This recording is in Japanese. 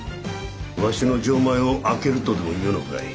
わしの錠前を開けるとでも言うのかい？